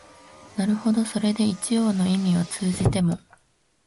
なるほどそれで一応の意味は通じても、